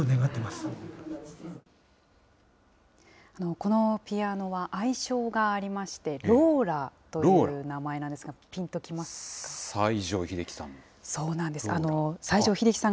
このピアノは愛称がありまして、ローラという名前なんですが、西城秀樹さん？